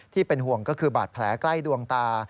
ที่เป็นห่วงก็คือบาดแผลใกล้ดวงตา